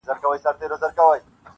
په دې غار کي چي پراته کم موږکان دي-